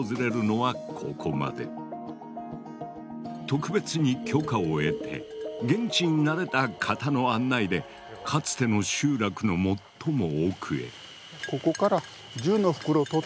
特別に許可を得て現地に慣れた方の案内でかつての集落の最も奥へ。